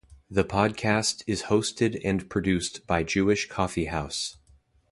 The podcast is hosted and produced by Jewish Coffee House.